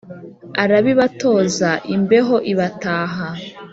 arabibatozaimbeho ibataha